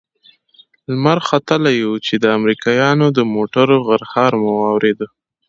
لمر ختلى و چې د امريکايانو د موټرو غرهار مو واورېد.